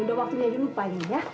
udah waktunya yuk lupain yuk ya